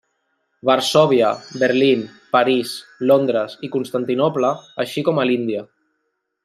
Varsòvia, Berlín, París, Londres i Constantinoble, així com a l'Índia.